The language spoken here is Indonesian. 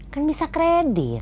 kan bisa kredit